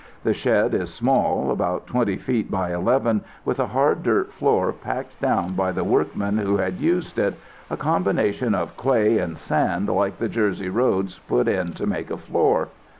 The shed is small, about twenty feet by eleven, with a hard dirt floor packed down by the workmen who had used it, a combination of clay and sand like the Jersey roads put in to make a floor.